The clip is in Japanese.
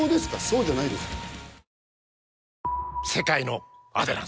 そうじゃないですか？